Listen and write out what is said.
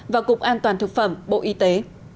và cục an toàn thực phẩm bộ y tế